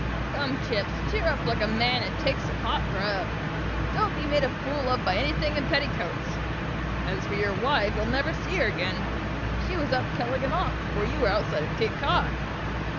"Come, Chips, cheer up like a man, and take some hot grub! Don't be made a fool of by anything in petticoats! As for your wife, you'll never see her again; she was 'up keeleg and off' before you were outside of Cape Cod.